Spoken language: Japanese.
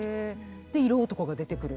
で色男が出てくる。